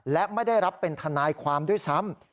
และไม่ได้รับเป็นทนายความด้วยซ้ำ